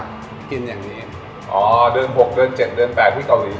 คนเกาหลีส่วนใหญ่จะนิยมทานเมนูนี้